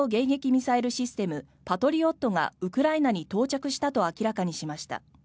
ミサイルシステムパトリオットがウクライナに到着したと明らかにしました。